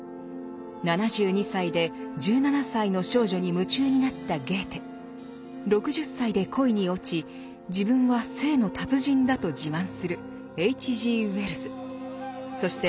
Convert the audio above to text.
７２歳で１７歳の少女に夢中になった６０歳で恋に落ち自分は性の達人だと自慢するそして